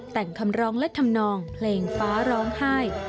แต่งคำร้องและทำนองเพลงฟ้าร้องไห้